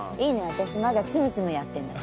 私まだ『ツムツム』やってるんだ」